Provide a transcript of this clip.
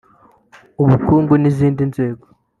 ubukungu n’izindi nzego